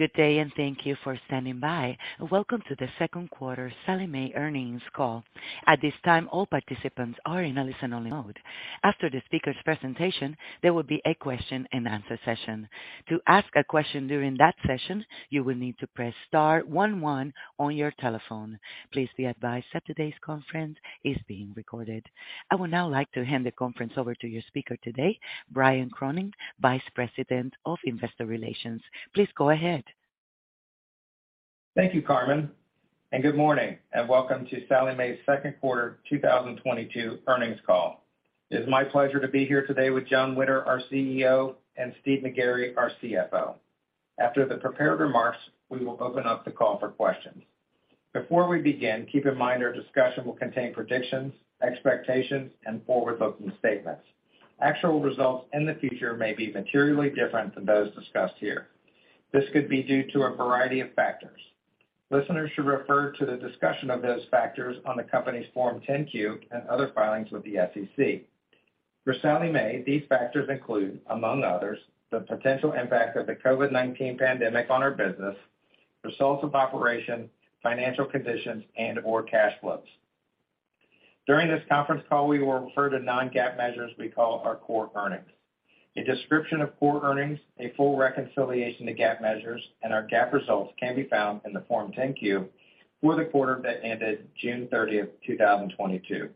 Good day, and thank you for standing by, and welcome to the Second Quarter Sallie Mae Earnings Call. At this time, all participants are in a listen-only mode. After the speaker's presentation, there will be a question-and-answer session. To ask a question during that session, you will need to press star one one on your telephone. Please be advised that today's conference is being recorded. I would now like to hand the conference over to your speaker today, Brian Cronin, Vice President of Investor Relations. Please go ahead. Thank you, Carmen, and good morning and welcome to Sallie Mae's Second Quarter 2022 Earnings Call. It is my pleasure to be here today with Jon Witter, our CEO, and Steve McGarry, our CFO. After the prepared remarks, we will open up the call for questions. Before we begin, keep in mind our discussion will contain predictions, expectations, and forward-looking statements. Actual results in the future may be materially different than those discussed here. This could be due to a variety of factors. Listeners should refer to the discussion of those factors on the company's Form 10-Q and other filings with the SEC. For Sallie Mae, these factors include, among others, the potential impact of the COVID-19 pandemic on our business, results of operations, financial condition, and/or cash flows. During this conference call, we will refer to non-GAAP measures we call our Core Earnings. A description of core earnings, a full reconciliation to GAAP measures, and our GAAP results can be found in the Form 10-Q for the quarter that ended June 30th, 2022.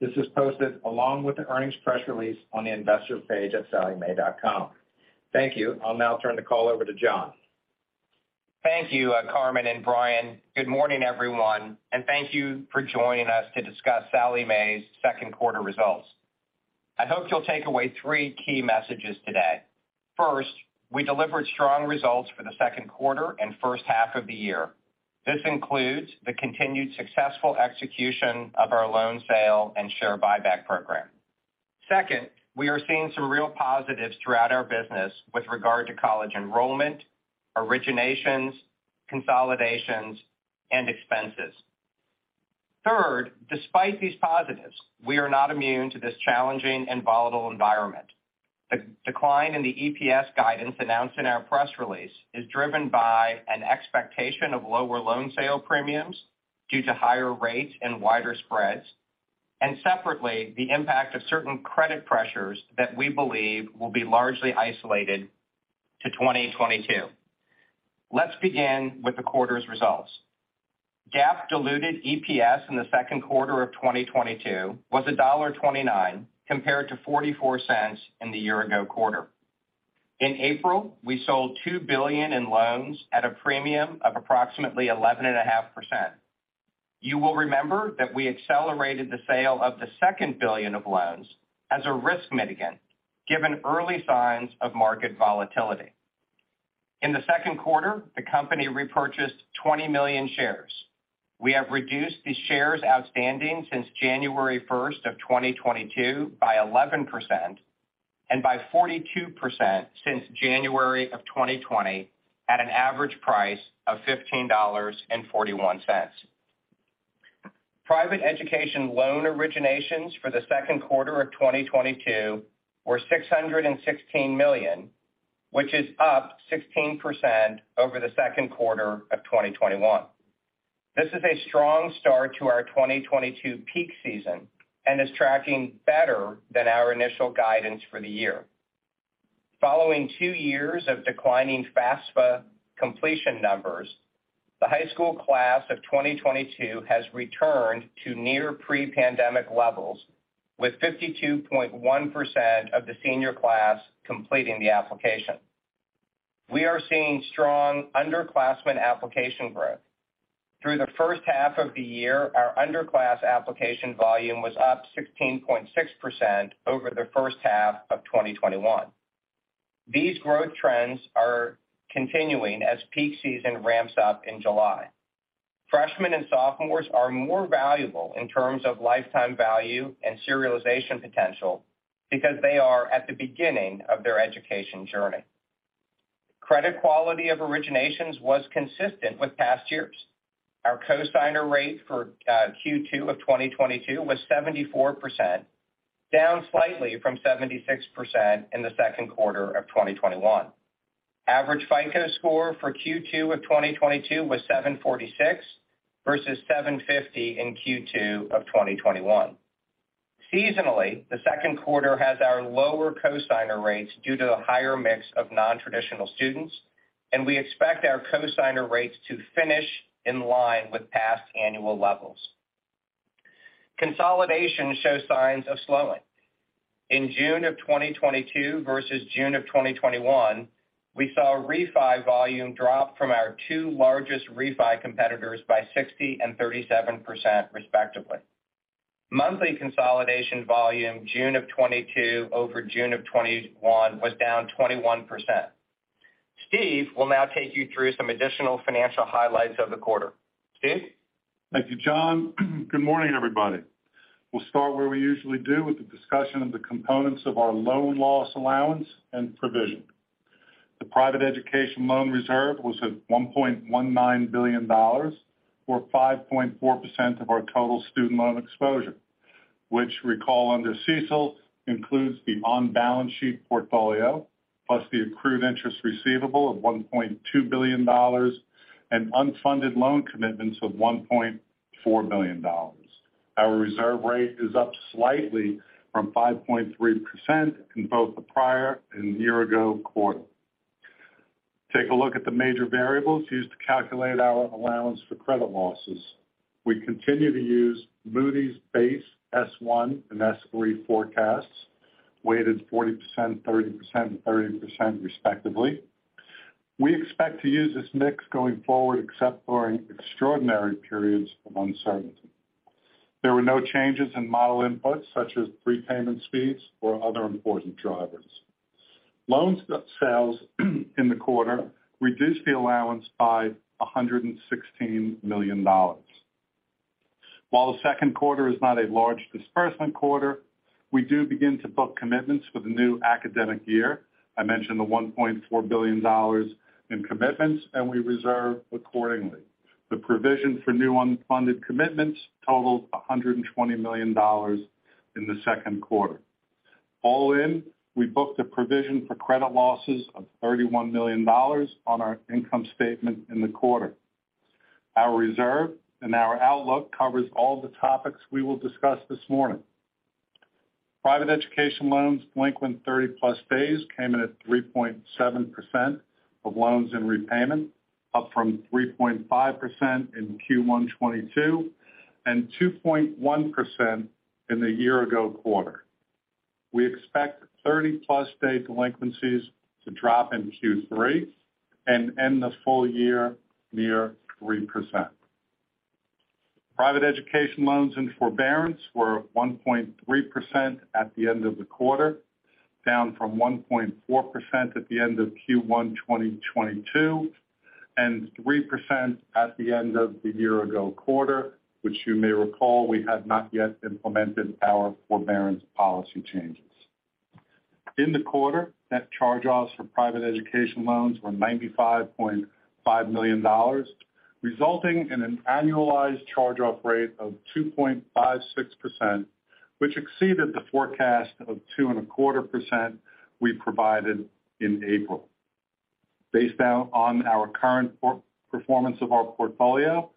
This is posted along with the earnings press release on the investor page at salliemae.com. Thank you. I'll now turn the call over to Jon Witter. Thank you, Carmen and Brian. Good morning, everyone, and thank you for joining us to discuss Sallie Mae's second quarter results. I hope you'll take away three key messages today. First, we delivered strong results for the second quarter and first half of the year. This includes the continued successful execution of our loan sale and share buyback program. Second, we are seeing some real positives throughout our business with regard to college enrollment, originations, consolidations, and expenses. Third, despite these positives, we are not immune to this challenging and volatile environment. The decline in the EPS guidance announced in our press release is driven by an expectation of lower loan sale premiums due to higher rates and wider spreads, and separately, the impact of certain credit pressures that we believe will be largely isolated to 2022. Let's begin with the quarter's results. GAAP diluted EPS in the second quarter of 2022 was $1.29, compared to $0.44 in the year ago quarter. In April, we sold $2 billion in loans at a premium of approximately 11.5%. You will remember that we accelerated the sale of the second billion of loans as a risk mitigant given early signs of market volatility. In the second quarter, the company repurchased 20 million shares. We have reduced the shares outstanding since January 1st, 2022 by 11% and by 42% since January of 2020 at an average price of $15.41. Private education loan originations for the second quarter of 2022 were $616 million, which is up 16% over the second quarter of 2021. This is a strong start to our 2022 peak season and is tracking better than our initial guidance for the year. Following two years of declining FAFSA completion numbers, the high school class of 2022 has returned to near pre-pandemic levels with 52.1% of the senior class completing the application. We are seeing strong underclassman application growth. Through the first half of the year, our underclass application volume was up 16.6% over the first half of 2021. These growth trends are continuing as peak season ramps up in July. Freshmen and sophomores are more valuable in terms of lifetime value and serialization potential because they are at the beginning of their education journey. Credit quality of originations was consistent with past years. Our cosigner rate for Q2 of 2022 was 74%, down slightly from 76% in the second quarter of 2021. Average FICO score for Q2 of 2022 was 746 versus 750 in Q2 of 2021. Seasonally, the second quarter has our lower cosigner rates due to the higher mix of non-traditional students, and we expect our cosigner rates to finish in line with past annual levels. Consolidation shows signs of slowing. In June of 2022 versus June of 2021, we saw refi volume drop from our two largest refi competitors by 60% and 37% respectively. Monthly consolidation volume June of 2022 over June of 2021 was down 21%. Steve will now take you through some additional financial highlights of the quarter. Steve. Thank you, Jon. Good morning, everybody. We'll start where we usually do with the discussion of the components of our loan loss allowance and provision. The private education loan reserve was at $1.19 billion, or 5.4% of our total student loan exposure. Which we call under CECL includes the on-balance sheet portfolio, plus the accrued interest receivable of $1.2 billion and unfunded loan commitments of $1.4 billion. Our reserve rate is up slightly from 5.3% in both the prior and year-ago quarter. Take a look at the major variables used to calculate our allowance for credit losses. We continue to use Moody's base S1 and S3 forecasts, weighted 40%, 30%, and 30% respectively. We expect to use this mix going forward except during extraordinary periods of uncertainty. There were no changes in model inputs such as prepayment speeds or other important drivers. Loan sales in the quarter reduced the allowance by $116 million. While the second quarter is not a large disbursement quarter, we do begin to book commitments for the new academic year. I mentioned the $1.4 billion in commitments, and we reserve accordingly. The provision for new unfunded commitments totaled $120 million in the second quarter. All in, we booked a provision for credit losses of $31 million on our income statement in the quarter. Our reserve and our outlook covers all the topics we will discuss this morning. Private education loans delinquent 30+ days came in at 3.7% of loans in repayment, up from 3.5% in Q1 2022 and 2.1% in the year-ago quarter. We expect 30+ day delinquencies to drop in Q3 and end the full year near 3%. Private education loans in forbearance were 1.3% at the end of the quarter, down from 1.4% at the end of Q1 2022, and 3% at the end of the year-ago quarter, which you may recall we had not yet implemented our forbearance policy changes. In the quarter, net charge-offs for private education loans were $95.5 million, resulting in an annualized charge-off rate of 2.56%, which exceeded the forecast of 2.25% we provided in April. Based now on our current performance of our portfolio,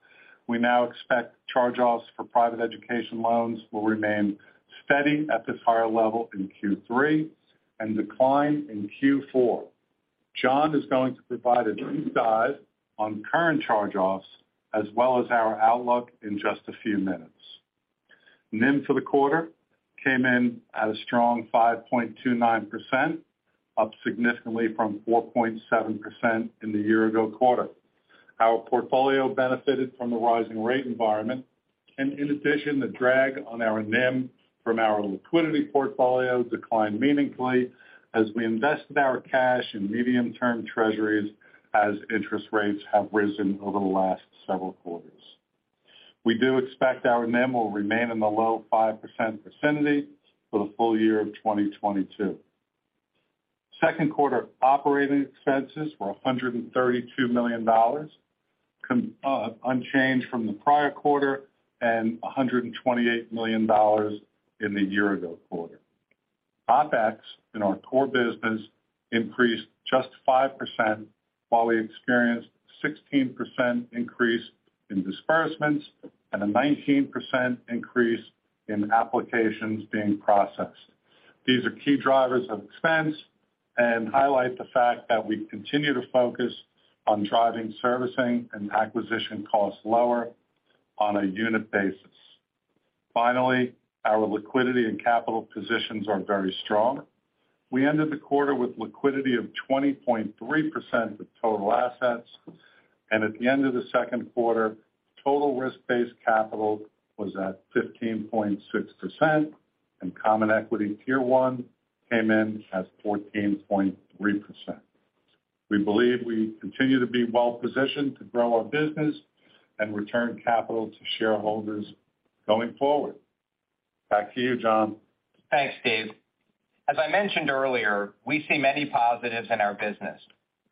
we now expect charge-offs for private education loans will remain steady at this higher level in Q3 and decline in Q4. Jon is going to provide a deep dive on current charge-offs as well as our outlook in just a few minutes. NIM for the quarter came in at a strong 5.29%, up significantly from 4.7% in the year-ago quarter. Our portfolio benefited from the rising rate environment. In addition, the drag on our NIM from our liquidity portfolio declined meaningfully as we invested our cash in medium-term treasuries as interest rates have risen over the last several quarters. We do expect our NIM will remain in the low 5% vicinity for the full year of 2022. Second quarter operating expenses were $132 million, unchanged from the prior quarter and $128 million in the year-ago quarter. OpEx in our core business increased just 5% while we experienced 16% increase in disbursements and a 19% increase in applications being processed. These are key drivers of expense and highlight the fact that we continue to focus on driving servicing and acquisition costs lower on a unit basis. Finally, our liquidity and capital positions are very strong. We ended the quarter with liquidity of 20.3% of total assets. At the end of the second quarter, Total Risk-Based Capital was at 15.6%, and Common Equity Tier 1 came in as 14.3%. We believe we continue to be well positioned to grow our business and return capital to shareholders going forward. Back to you, Jon. Thanks, Steve. As I mentioned earlier, we see many positives in our business.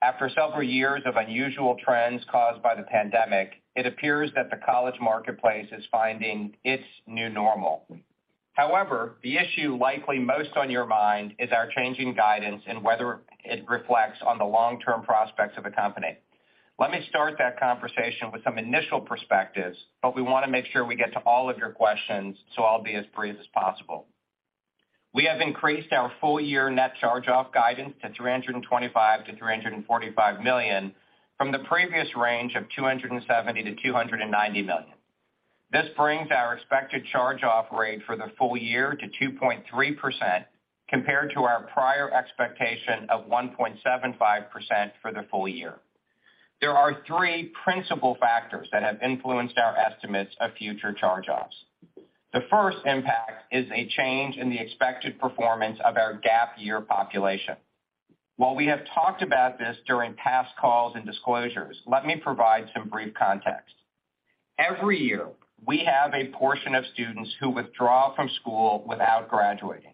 After several years of unusual trends caused by the pandemic, it appears that the college marketplace is finding its new normal. However, the issue likely most on your mind is our changing guidance and whether it reflects on the long-term prospects of the company. Let me start that conversation with some initial perspectives, but we wanna make sure we get to all of your questions, so I'll be as brief as possible. We have increased our full year net charge-off guidance to $325 million-$345 million from the previous range of $270 million-$290 million. This brings our expected charge-off rate for the full year to 2.3% compared to our prior expectation of 1.75% for the full year. There are three principal factors that have influenced our estimates of future charge-offs. The first impact is a change in the expected performance of our gap year population. While we have talked about this during past calls and disclosures, let me provide some brief context. Every year, we have a portion of students who withdraw from school without graduating.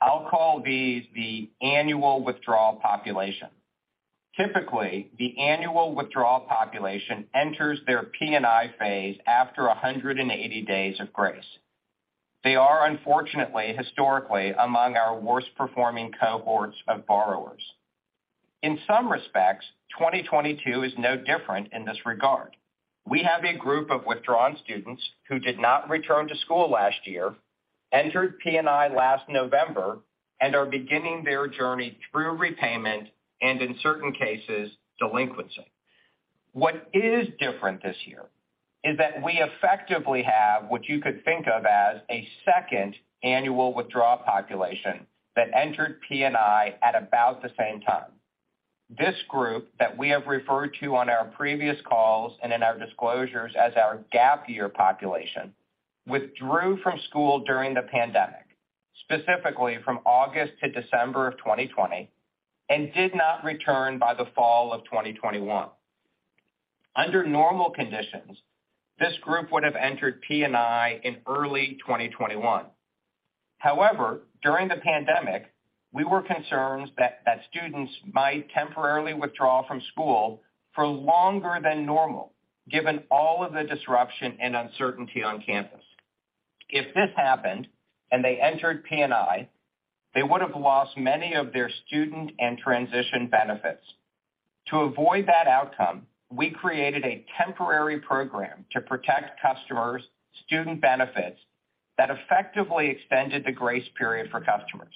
I'll call these the annual withdrawal population. Typically, the annual withdrawal population enters their P&I phase after 180 days of grace. They are unfortunately historically among our worst-performing cohorts of borrowers. In some respects, 2022 is no different in this regard. We have a group of withdrawn students who did not return to school last year, entered P&I last November, and are beginning their journey through repayment and in certain cases, delinquency. What is different this year is that we effectively have what you could think of as a second annual withdrawal population that entered P&I at about the same time. This group that we have referred to on our previous calls and in our disclosures as our gap year population, withdrew from school during the pandemic, specifically from August to December of 2020, and did not return by the fall of 2021. Under normal conditions, this group would have entered P&I in early 2021. However, during the pandemic, we were concerned that students might temporarily withdraw from school for longer than normal, given all of the disruption and uncertainty on campus. If this happened and they entered P&I, they would have lost many of their student and transition benefits. To avoid that outcome, we created a temporary program to protect customers' student benefits that effectively extended the grace period for customers.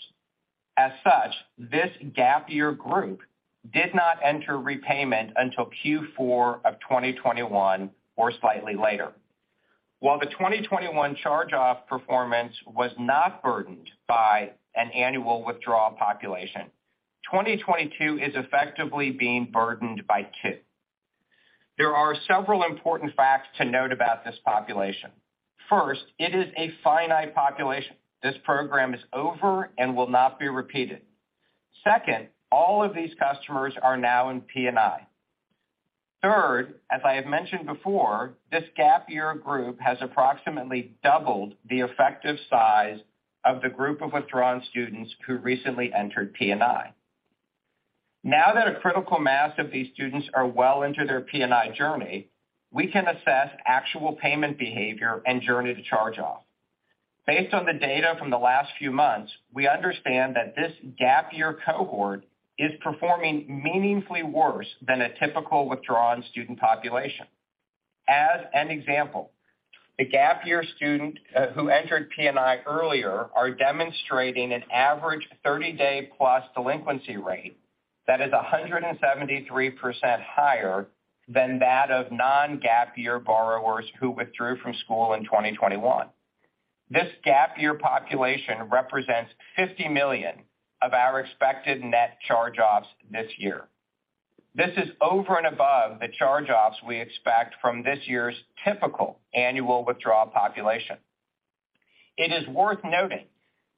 As such, this gap year group did not enter repayment until Q4 of 2021 or slightly later. While the 2021 charge-off performance was not burdened by an annual withdrawal population, 2022 is effectively being burdened by two. There are several important facts to note about this population. First, it is a finite population. This program is over and will not be repeated. Second, all of these customers are now in P&I. Third, as I have mentioned before, this gap year group has approximately doubled the effective size of the group of withdrawn students who recently entered P&I. Now that a critical mass of these students are well into their P&I journey, we can assess actual payment behavior and journey to charge off. Based on the data from the last few months, we understand that this gap year cohort is performing meaningfully worse than a typical withdrawn student population. As an example, the gap year student, who entered P&I earlier, are demonstrating an average 30+ day delinquency rate that is 173% higher than that of non-gap year borrowers who withdrew from school in 2021. This gap year population represents $50 million of our expected net charge-offs this year. This is over and above the charge-offs we expect from this year's typical annual withdrawal population. It is worth noting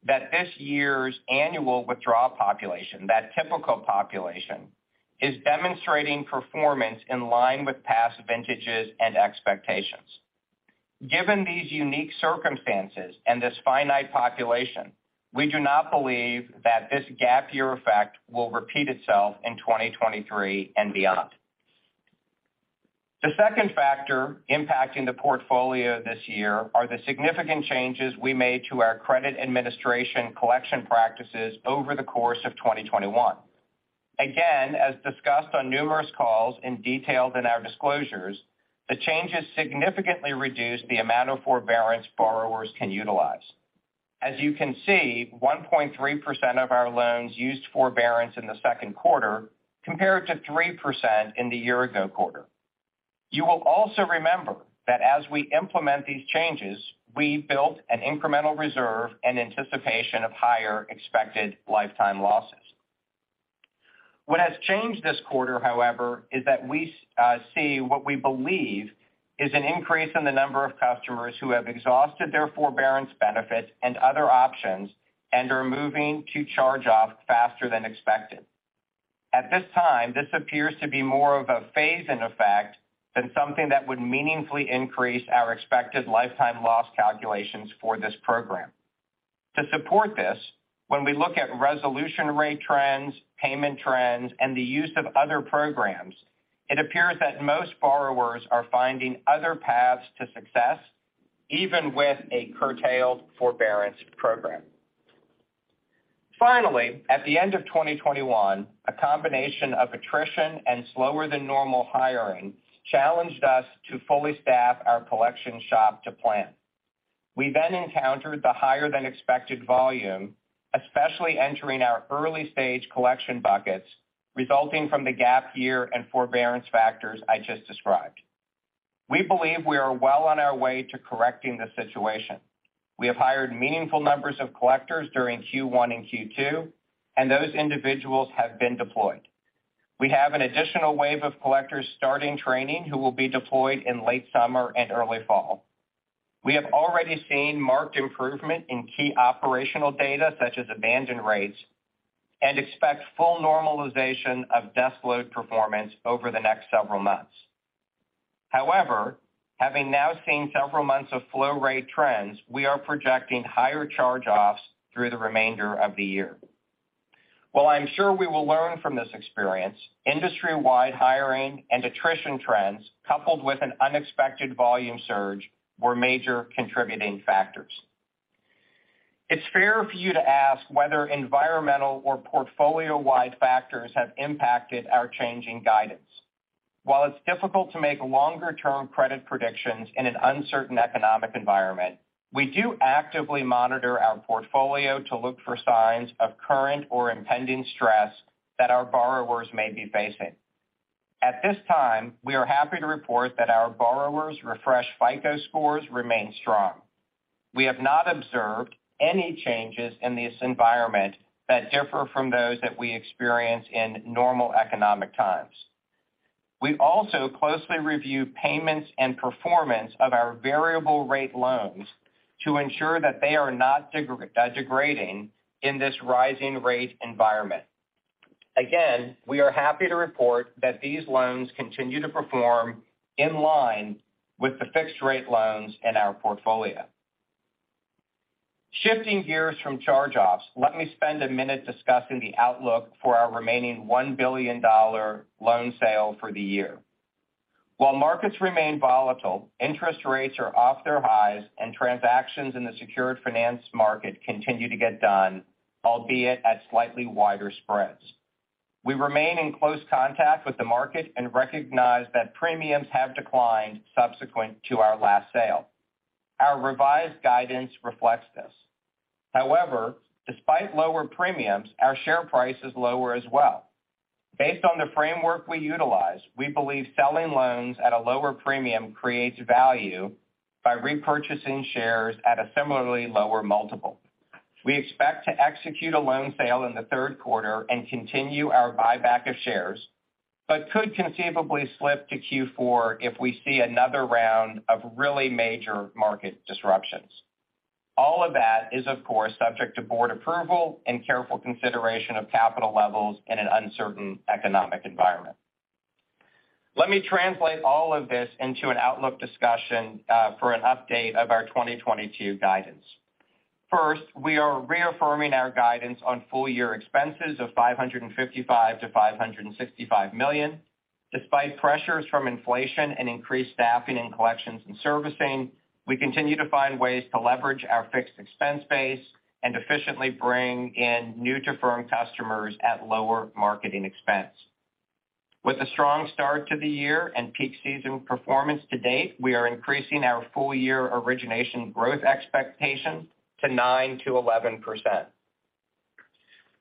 that this year's annual withdrawal population, that typical population, is demonstrating performance in line with past vintages and expectations. Given these unique circumstances and this finite population, we do not believe that this gap year effect will repeat itself in 2023 and beyond. The second factor impacting the portfolio this year are the significant changes we made to our credit administration collection practices over the course of 2021. Again, as discussed on numerous calls and detailed in our disclosures, the changes significantly reduced the amount of forbearance borrowers can utilize. As you can see, 1.3% of our loans used forbearance in the second quarter compared to 3% in the year ago quarter. You will also remember that as we implement these changes, we built an incremental reserve in anticipation of higher expected lifetime losses. What has changed this quarter, however, is that we see what we believe is an increase in the number of customers who have exhausted their forbearance benefits and other options and are moving to charge-off faster than expected. At this time, this appears to be more of a phase in effect than something that would meaningfully increase our expected lifetime loss calculations for this program. To support this, when we look at resolution rate trends, payment trends, and the use of other programs, it appears that most borrowers are finding other paths to success, even with a curtailed forbearance program. Finally, at the end of 2021, a combination of attrition and slower than normal hiring challenged us to fully staff our collection shop to plan. We encountered the higher than expected volume, especially entering our early-stage collection buckets, resulting from the gap year and forbearance factors I just described. We believe we are well on our way to correcting the situation. We have hired meaningful numbers of collectors during Q1 and Q2, and those individuals have been deployed. We have an additional wave of collectors starting training who will be deployed in late summer and early fall. We have already seen marked improvement in key operational data such as abandon rates, and expect full normalization of desk load performance over the next several months. However, having now seen several months of flow rate trends, we are projecting higher charge-offs through the remainder of the year. While I'm sure we will learn from this experience, industry-wide hiring and attrition trends, coupled with an unexpected volume surge, were major contributing factors. It's fair for you to ask whether environmental or portfolio-wide factors have impacted our changing guidance. While it's difficult to make longer-term credit predictions in an uncertain economic environment, we do actively monitor our portfolio to look for signs of current or impending stress that our borrowers may be facing. At this time, we are happy to report that our borrowers' refreshed FICO scores remain strong. We have not observed any changes in this environment that differ from those that we experience in normal economic times. We also closely review payments and performance of our variable rate loans to ensure that they are not degrading in this rising rate environment. Again, we are happy to report that these loans continue to perform in line with the fixed rate loans in our portfolio. Shifting gears from charge-offs, let me spend a minute discussing the outlook for our remaining $1 billion loan sale for the year. While markets remain volatile, interest rates are off their highs and transactions in the secured finance market continue to get done, albeit at slightly wider spreads. We remain in close contact with the market and recognize that premiums have declined subsequent to our last sale. Our revised guidance reflects this. However, despite lower premiums, our share price is lower as well. Based on the framework we utilize, we believe selling loans at a lower premium creates value by repurchasing shares at a similarly lower multiple. We expect to execute a loan sale in the third quarter and continue our buyback of shares, but could conceivably slip to Q4 if we see another round of really major market disruptions. All of that is, of course, subject to board approval and careful consideration of capital levels in an uncertain economic environment. Let me translate all of this into an outlook discussion, for an update of our 2022 guidance. First, we are reaffirming our guidance on full year expenses of $555 million-$565 million. Despite pressures from inflation and increased staffing in collections and servicing, we continue to find ways to leverage our fixed expense base and efficiently bring in new to firm customers at lower marketing expense. With a strong start to the year and peak season performance to date, we are increasing our full-year origination growth expectation to 9%-11%.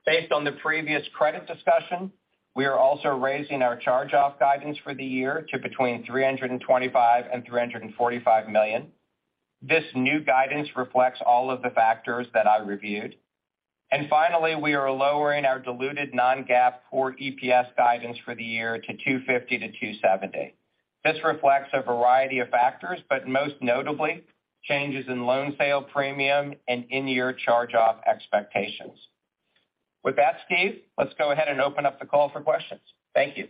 Based on the previous credit discussion, we are also raising our charge-off guidance for the year to between $325 million and $345 million. This new guidance reflects all of the factors that I reviewed. Finally, we are lowering our diluted non-GAAP core EPS guidance for the year to $2.50-$2.70. This reflects a variety of factors, but most notably, changes in loan sale premium and in-year charge-off expectations. With that, Steve, let's go ahead and open up the call for questions. Thank you.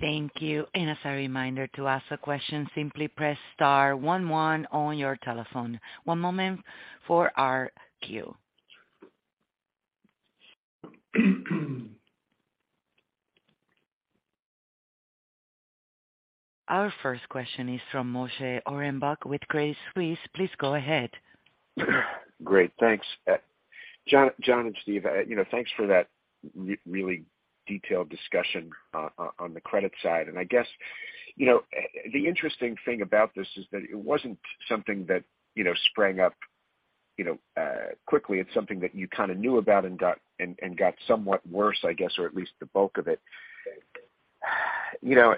Thank you. As a reminder, to ask a question, simply press star one one on your telephone. One moment for our queue. Our first question is from Moshe Orenbuch with Credit Suisse. Please go ahead. Great. Thanks. Jon and Steve, you know, thanks for that really detailed discussion on the credit side. I guess, you know, the interesting thing about this is that it wasn't something that, you know, sprang up, you know, quickly. It's something that you kinda knew about and got somewhat worse, I guess, or at least the bulk of it. You know,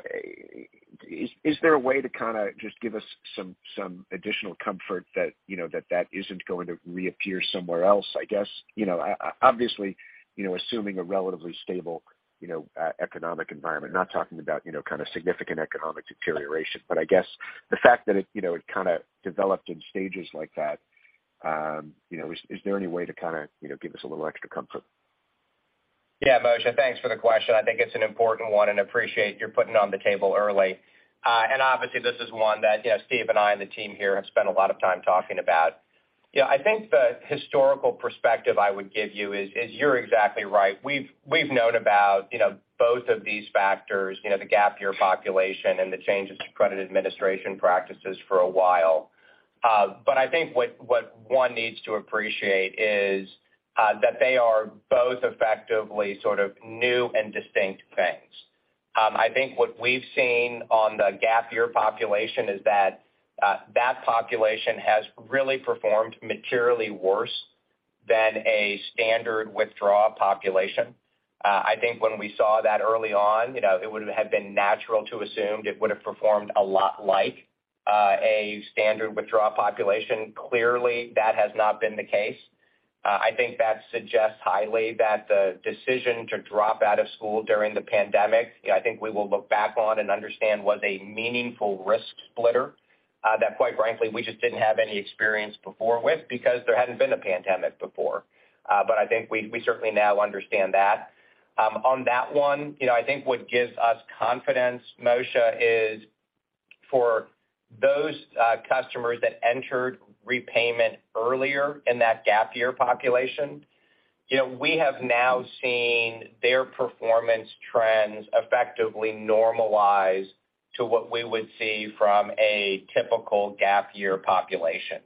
is there a way to kinda just give us some additional comfort that, you know, that that isn't going to reappear somewhere else? I guess, you know, obviously, you know, assuming a relatively stable, you know, economic environment. Not talking about, you know, kind of significant economic deterioration. I guess the fact that it, you know, it kinda developed in stages like that, you know, is there any way to kinda, you know, give us a little extra comfort? Yeah, Moshe, thanks for the question. I think it's an important one, and appreciate your putting it on the table early. And obviously this is one that, you know, Steve and I and the team here have spent a lot of time talking about. Yeah, I think the historical perspective I would give you is you're exactly right. We've known about, you know, both of these factors, you know, the gap year population and the changes to credit administration practices for a while. I think what one needs to appreciate is that they are both effectively sort of new and distinct things. I think what we've seen on the gap year population is that that population has really performed materially worse than a standard withdrawal population. I think when we saw that early on, you know, it would have been natural to assume it would have performed a lot like a standard withdrawal population. Clearly, that has not been the case. I think that suggests highly that the decision to drop out of school during the pandemic, you know, I think we will look back on and understand was a meaningful risk splitter, that quite frankly, we just didn't have any experience before with because there hadn't been a pandemic before. I think we certainly now understand that. On that one, you know, I think what gives us confidence, Moshe, is for those customers that entered repayment earlier in that gap year population, you know, we have now seen their performance trends effectively normalize to what we would see from a typical gap year population.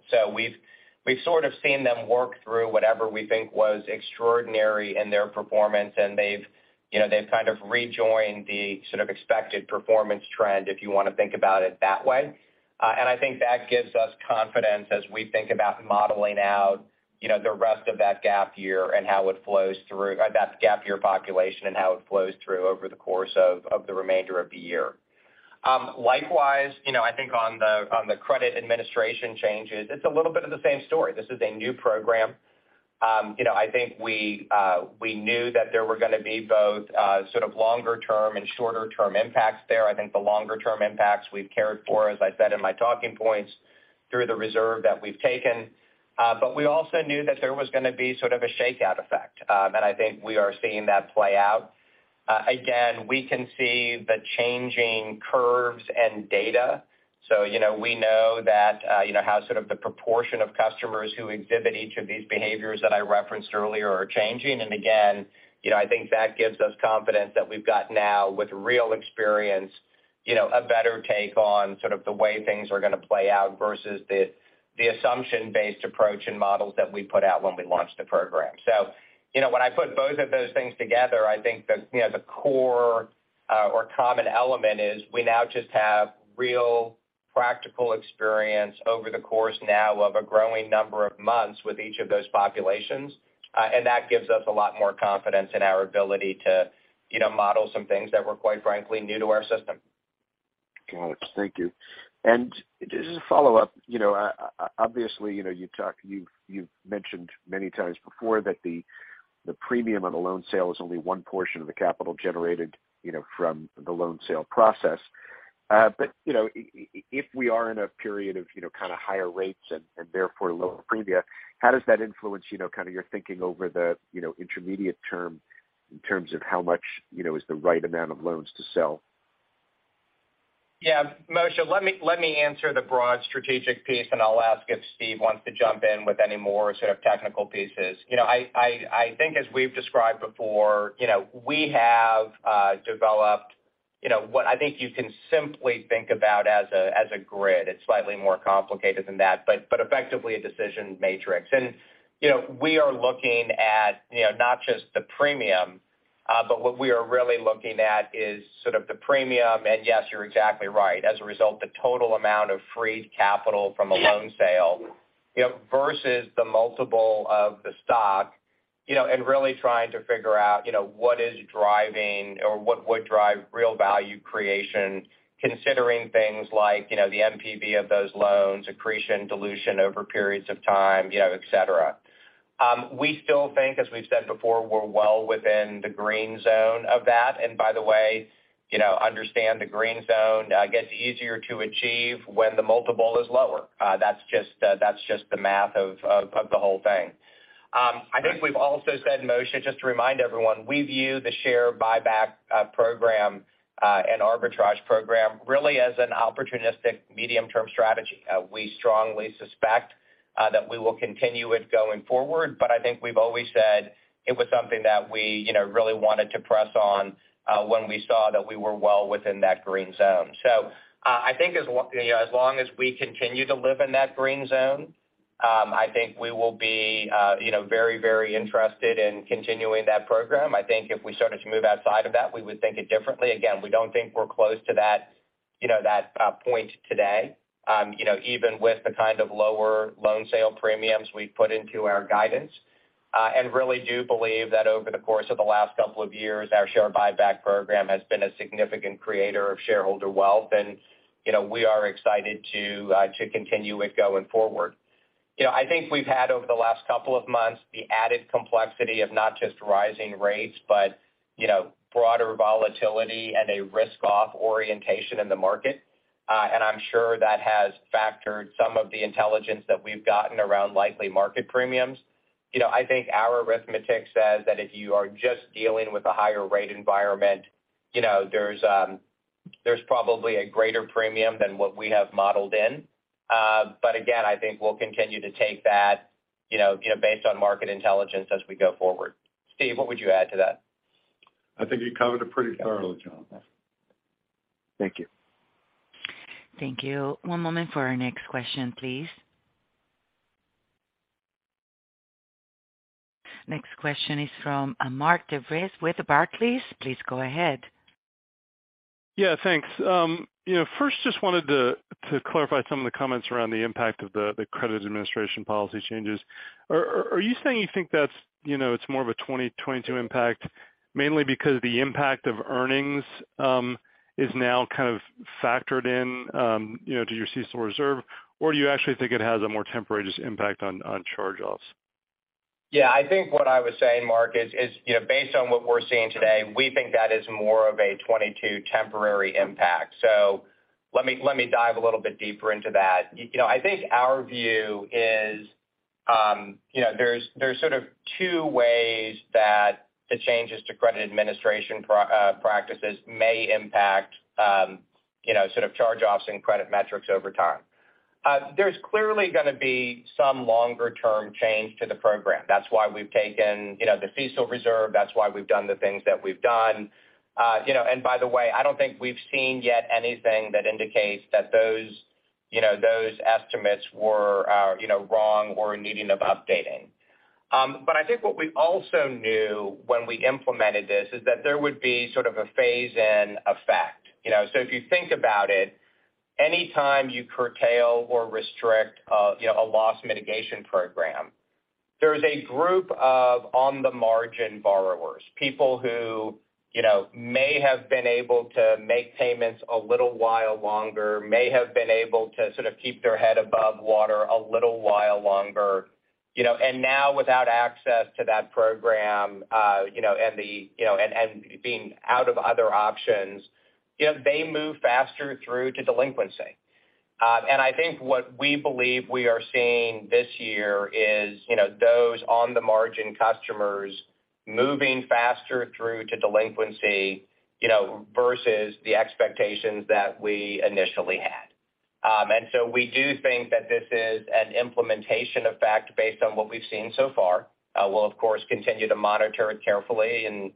We've sort of seen them work through whatever we think was extraordinary in their performance, and they've, you know, kind of rejoined the sort of expected performance trend, if you wanna think about it that way. I think that gives us confidence as we think about modeling out, you know, the rest of that gap year and how it flows through that gap year population and how it flows through over the course of the remainder of the year. Likewise, you know, I think on the credit administration changes, it's a little bit of the same story. This is a new program. You know, I think we knew that there were gonna be both sort of longer term and shorter term impacts there. I think the longer term impacts we've cared for, as I said in my talking points, through the reserve that we've taken. We also knew that there was gonna be sort of a shakeout effect. I think we are seeing that play out. Again, we can see the changing curves and data. You know, we know that, you know, how sort of the proportion of customers who exhibit each of these behaviors that I referenced earlier are changing. Again, you know, I think that gives us confidence that we've got now with real experience, you know, a better take on sort of the way things are gonna play out versus the assumption-based approach and models that we put out when we launched the program. So, you know, when I put both of those things together, I think the, you know, the core or common element is we now just have real practical experience over the course now of a growing number of months with each of those populations. That gives us a lot more confidence in our ability to, you know, model some things that were, quite frankly, new to our system. Got it. Thank you. Just as a follow-up, you know, obviously, you know, you've mentioned many times before that the premium on a loan sale is only one portion of the capital generated, you know, from the loan sale process. If we are in a period of, you know, kinda higher rates and therefore lower premium, how does that influence, you know, kinda your thinking over the, you know, intermediate term in terms of how much, you know, is the right amount of loans to sell? Yeah, Moshe, let me answer the broad strategic piece, and I'll ask if Steve wants to jump in with any more sort of technical pieces. You know, I think as we've described before, you know, we have developed, you know, what I think you can simply think about as a grid. It's slightly more complicated than that, but effectively a decision matrix. You know, we are looking at, you know, not just the premium, but what we are really looking at is sort of the premium. Yes, you're exactly right. As a result, the total amount of freed capital from a loan sale, you know, versus the multiple of the stock, you know, and really trying to figure out, you know, what is driving or what would drive real value creation, considering things like, you know, the NPV of those loans, accretion, dilution over periods of time, you know, et cetera. We still think, as we've said before, we're well within the green zone of that. By the way, you know, understand the green zone gets easier to achieve when the multiple is lower. That's just the math of the whole thing. I think we've also said, Moshe, just to remind everyone, we view the share buyback program and arbitrage program really as an opportunistic medium-term strategy. We strongly suspect that we will continue it going forward. I think we've always said it was something that we, you know, really wanted to press on when we saw that we were well within that green zone. I think as long as we continue to live in that green zone, I think we will be, you know, very, very interested in continuing that program. I think if we started to move outside of that, we would think it differently. Again, we don't think we're close to that point today, you know, even with the kind of lower loan sale premiums we've put into our guidance. Really do believe that over the course of the last couple of years, our share buyback program has been a significant creator of shareholder wealth. You know, we are excited to continue it going forward. You know, I think we've had over the last couple of months the added complexity of not just rising rates, but, you know, broader volatility and a risk-off orientation in the market. I'm sure that has factored some of the intelligence that we've gotten around likely market premiums. You know, I think our arithmetic says that if you are just dealing with a higher rate environment, you know, there's probably a greater premium than what we have modeled in. But again, I think we'll continue to take that, you know, based on market intelligence as we go forward. Steve, what would you add to that? I think you covered it pretty thoroughly, Jon. Okay. Thank you. Thank you. One moment for our next question, please. Next question is from Mark DeVries with Barclays. Please go ahead. Yeah, thanks. You know, first just wanted to clarify some of the comments around the impact of the credit administration policy changes. Are you saying you think that's, you know, it's more of a 2022 impact, mainly because the impact of earnings is now kind of factored in, you know, to your CECL reserve? Or do you actually think it has a more temporary just impact on charge-offs? Yeah, I think what I was saying, Mark, is, you know, based on what we're seeing today, we think that is more of a 2022 temporary impact. Let me dive a little bit deeper into that. You know, I think our view is, you know, there's sort of two ways that the changes to credit administration practices may impact, you know, sort of charge-offs and credit metrics over time. There's clearly gonna be some longer-term change to the program. That's why we've taken, you know, the CECL reserve. That's why we've done the things that we've done. You know, and by the way, I don't think we've seen yet anything that indicates that those, you know, those estimates were, you know, wrong or in need of updating. I think what we also knew when we implemented this is that there would be sort of a phase-in effect, you know. If you think about it, any time you curtail or restrict a, you know, a loss mitigation program, there is a group of on-the-margin borrowers, people who, you know, may have been able to make payments a little while longer, may have been able to sort of keep their head above water a little while longer, you know, and now without access to that program, you know, and being out of other options, you know, they move faster through to delinquency. I think what we believe we are seeing this year is, you know, those on-the-margin customers moving faster through to delinquency, you know, versus the expectations that we initially had. We do think that this is an implementation effect based on what we've seen so far. We'll of course continue to monitor it carefully and, you know,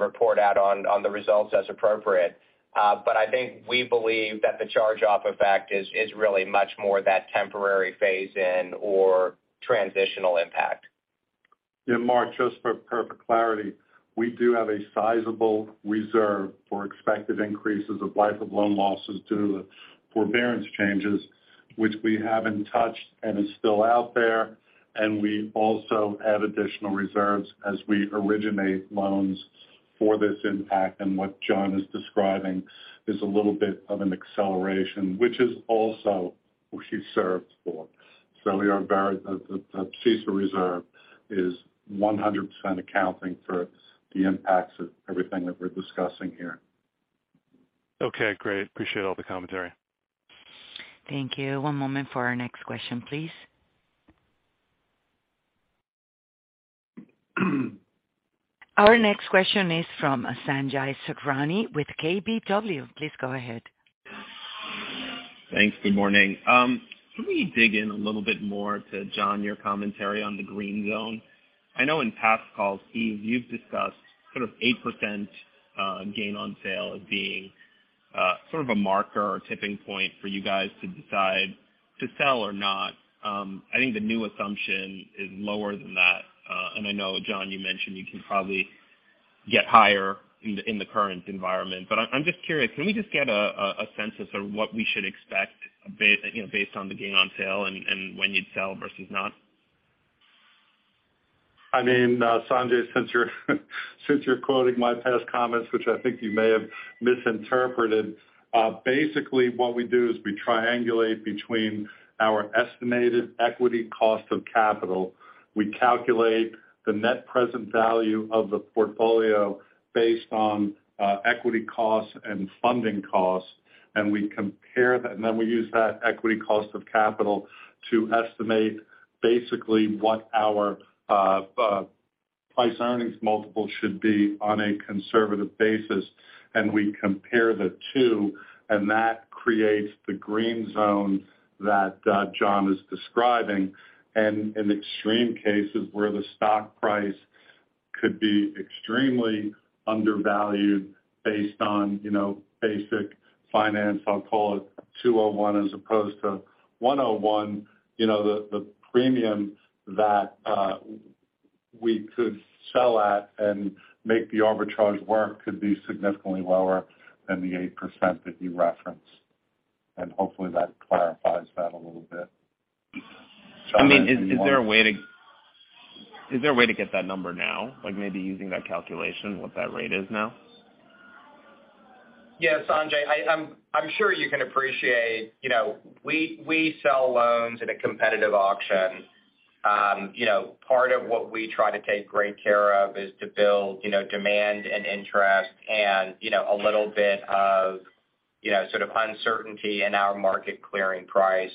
report out on the results as appropriate. I think we believe that the charge-off effect is really much more that temporary phase in or transitional impact. Yeah, Mark, just for clarity, we do have a sizable reserve for expected increases of life of loan losses due to the forbearance changes, which we haven't touched and is still out there. We also have additional reserves as we originate loans for this impact. What Jon is describing is a little bit of an acceleration, which is also what we saved for. The CECL reserve is 100% accounting for the impacts of everything that we're discussing here. Okay, great. Appreciate all the commentary. Thank you. One moment for our next question, please. Our next question is from Sanjay Sakhrani with KBW. Please go ahead. Thanks. Good morning. Can we dig in a little bit more to, Jon, your commentary on the green zone? I know in past calls, Steve, you've discussed sort of 8% gain on sale as being sort of a marker or tipping point for you guys to decide to sell or not. I think the new assumption is lower than that. I know, Jon, you mentioned you can probably get higher in the current environment. I'm just curious, can we just get a sense of sort of what we should expect you know, based on the gain on sale and when you'd sell versus not? I mean, Sanjay, since you're quoting my past comments, which I think you may have misinterpreted, basically what we do is we triangulate between our estimated equity cost of capital. We calculate the net present value of the portfolio based on equity costs and funding costs, and we compare that. Then we use that equity cost of capital to estimate basically what our price earnings multiple should be on a conservative basis, and we compare the two, and that creates the green zone that Jon is describing. In extreme cases where the stock price could be extremely undervalued based on, you know, basic finance, I'll call it 201 as opposed to 101, you know, the premium that we could sell at and make the arbitrage work could be significantly lower than the 8% that you referenced. Hopefully that clarifies that a little bit. I mean, is there a way to get that number now, like maybe using that calculation, what that rate is now? Yeah, Sanjay, I'm sure you can appreciate, you know, we sell loans in a competitive auction. You know, part of what we try to take great care of is to build, you know, demand and interest and, you know, a little bit of, you know, sort of uncertainty in our market clearing price.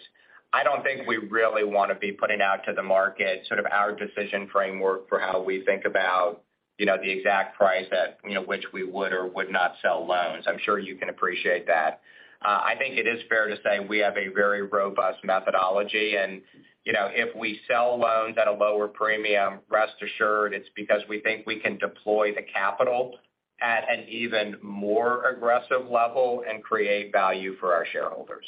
I don't think we really wanna be putting out to the market sort of our decision framework for how we think about, you know, the exact price at, you know, which we would or would not sell loans. I'm sure you can appreciate that. I think it is fair to say we have a very robust methodology and, you know, if we sell loans at a lower premium, rest assured it's because we think we can deploy the capital at an even more aggressive level and create value for our shareholders.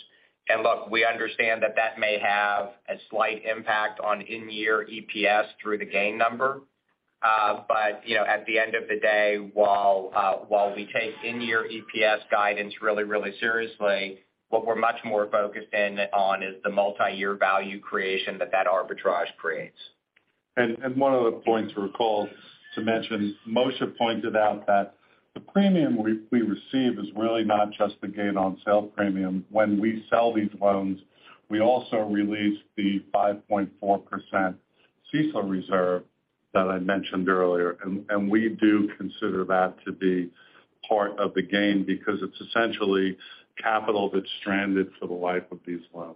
Look, we understand that that may have a slight impact on in-year EPS through the gain number. But you know, at the end of the day, while we take in-year EPS guidance really, really seriously, what we're much more focused in on is the multiyear value creation that that arbitrage creates. One other point to recall to mention, Moshe pointed out that the premium we receive is really not just the gain on sale premium. When we sell these loans, we also release the 5.4% CECL reserve that I mentioned earlier. We do consider that to be part of the gain because it's essentially capital that's stranded for the life of these loans,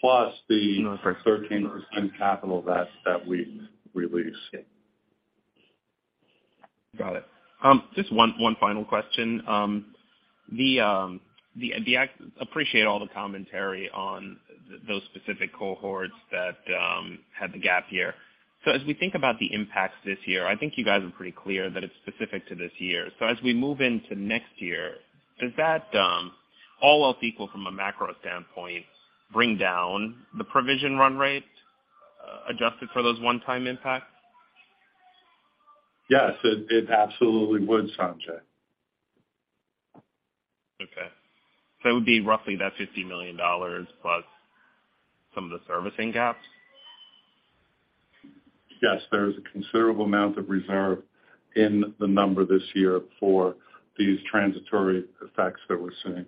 plus the 13% capital that we release. Got it. Just one final question. Appreciate all the commentary on those specific cohorts that had the gap year. As we think about the impacts this year, I think you guys are pretty clear that it's specific to this year. As we move into next year, does that, all else equal from a macro standpoint, bring down the provision run rate adjusted for those one-time impacts? Yes, it absolutely would, Sanjay. Okay. It would be roughly that $50 million, plus some of the servicing gaps? Yes. There is a considerable amount of reserve in the number this year for these transitory effects that we're seeing.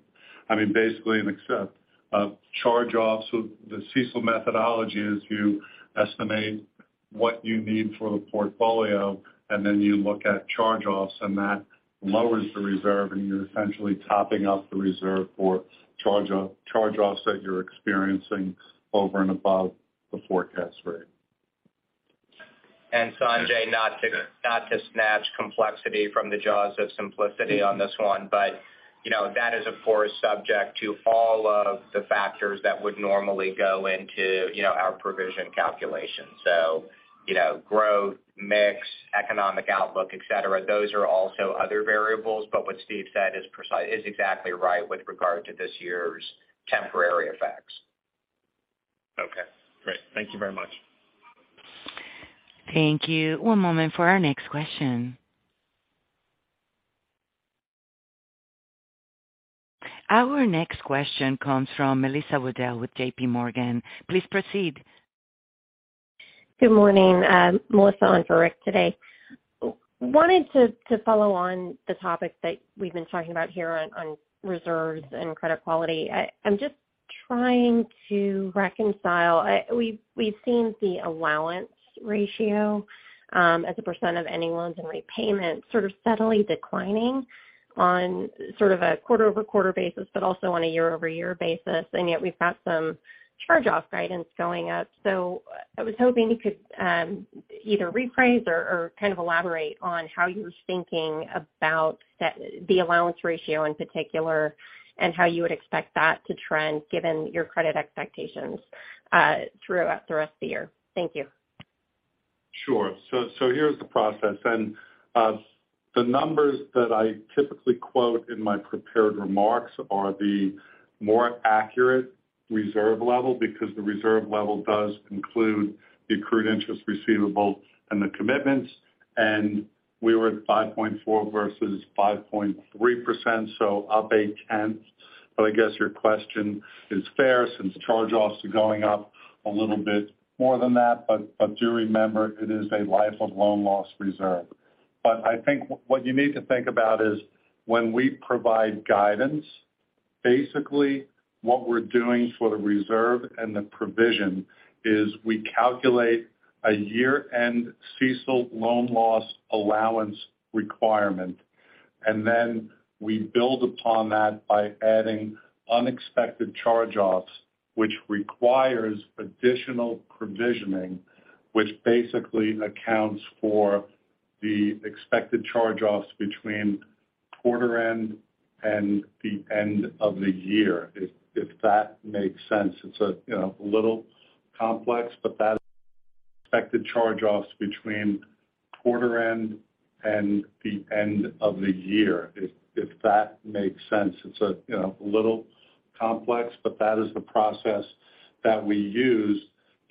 I mean, basically in acceptance of charge-offs of the CECL methodology is you estimate what you need for the portfolio, and then you look at charge-offs, and that lowers the reserve, and you're essentially topping up the reserve for charge-offs that you're experiencing over and above the forecast rate. Sanjay, not to snatch complexity from the jaws of simplicity on this one, but, you know, that is of course subject to all of the factors that would normally go into, you know, our provision calculation. You know, growth, mix, economic outlook, et cetera, those are also other variables. What Steve said is precise, is exactly right with regard to this year's temporary effects. Okay, great. Thank you very much. Thank you. One moment for our next question. Our next question comes from Melissa Wedel with JPMorgan. Please proceed. Good morning, Melissa on for Rick today. Wanted to follow on the topic that we've been talking about here on reserves and credit quality. I'm just trying to reconcile. We've seen the allowance ratio as a % of unpaid loans and repayments sort of steadily declining on sort of a quarter-over-quarter basis, but also on a year-over-year basis, and yet we've got some charge-off guidance going up. I was hoping you could either rephrase or kind of elaborate on how you're thinking about the allowance ratio in particular, and how you would expect that to trend given your credit expectations throughout the rest of the year. Thank you. Sure. Here's the process. The numbers that I typically quote in my prepared remarks are the more accurate reserve level, because the reserve level does include the accrued interest receivable and the commitments, and we were at 5.4% versus 5.3%, so up 0.8%. I guess your question is fair since charge-offs are going up a little bit more than that, but do remember it is a life of loan loss reserve. I think what you need to think about is when we provide guidance, basically what we're doing for the reserve and the provision is we calculate a year-end CECL loan loss allowance requirement, and then we build upon that by adding unexpected charge-offs, which requires additional provisioning, which basically accounts for the expected charge-offs between quarter end and the end of the year if that makes sense. It's a little complex, you know, but that is the process that we use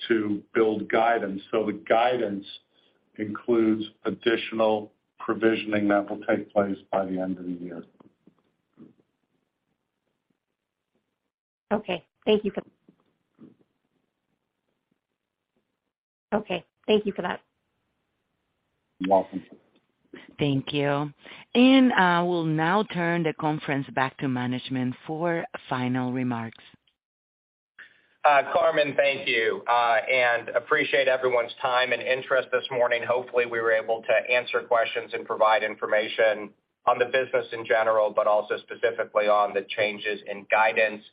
to build guidance. The guidance includes additional provisioning that will take place by the end of the year. Okay. Thank you for that. You're welcome. Thank you. We'll now turn the conference back to management for final remarks. Carmen, thank you and appreciate everyone's time and interest this morning. Hopefully, we were able to answer questions and provide information on the business in general, but also specifically on the changes in guidance.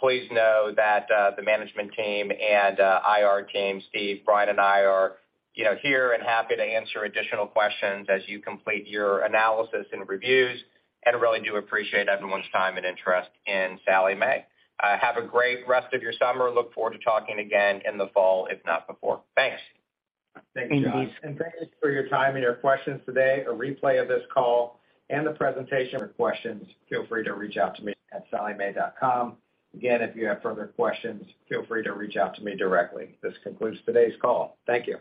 Please know that the management team and IR team, Steve, Brian, and I are, you know, here and happy to answer additional questions as you complete your analysis and reviews. Really do appreciate everyone's time and interest in Sallie Mae. Have a great rest of your summer. Look forward to talking again in the fall, if not before. Thanks. Thank you. Thanks, Jon. Thank you for your time and your questions today. A replay of this call and the presentation or questions, feel free to reach out to me at salliemae.com. Again, if you have further questions, feel free to reach out to me directly. This concludes today's call. Thank you.